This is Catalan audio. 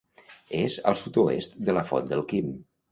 És al sud-oest de la Font del Quim.